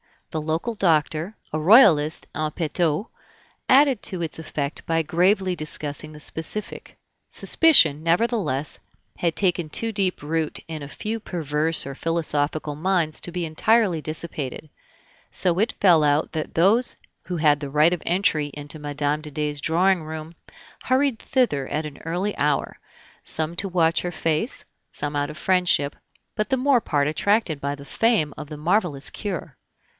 The local doctor, a Royalist in petto, added to its effect by gravely discussing the specific. Suspicion, nevertheless, had taken too deep root in a few perverse or philosophical minds to be entirely dissipated; so it fell out that those who had the right of entry into Mme. de Dey's drawing room hurried thither at an early hour, some to watch her face, some out of friendship, but the more part attracted by the fame of the marvelous cure.